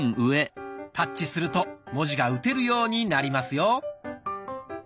タッチすると文字が打てるようになりますよ。